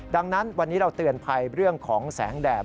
ดังนั้นวันนี้เราเตือนภัยเรื่องของแสงแดด